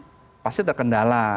juga masyarakat juga untuk keluar rumah